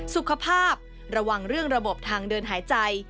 สุขภาพระวังเรื่องระบบทางเดินหายใจ